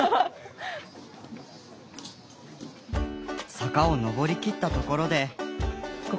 坂を上りきったところで。